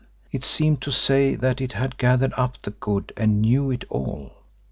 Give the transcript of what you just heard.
It seemed to say that it had gathered up the good and knew it all.